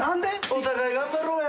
お互い頑張ろうや。